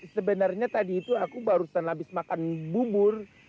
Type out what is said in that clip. sebenarnya tadi itu aku barusan habis makan bubur